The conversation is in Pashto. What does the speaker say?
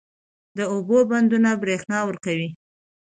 د اوبو بندونه برښنا ورکوي